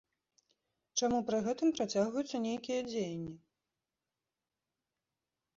Чаму пры гэтым працягваюцца нейкія дзеянні?